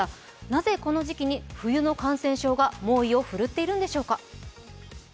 なぜこの時期に冬の感染症が猛威を振るっているんでしょうか。